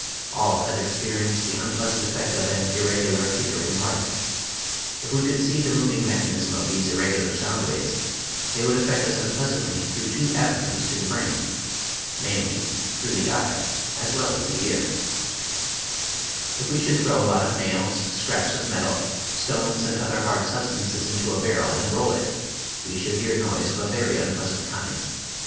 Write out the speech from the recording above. All have experienced the unpleasant effect of an irregular, flickering light. If we could see the moving mechanism of these irregular sound waves they would affect us unpleasantly through two avenues to the 80 {^\, Original from :l< ~ UNIVERSITY OF WISCONSIN floiee anO fliuaic. 81 brain, namely, through the eye as well as the ear. If we should throw a lot of nails, scraps of metal, stones, and other hard substances into a barrel and roll it, we should hear noise of a very unpleasant kind.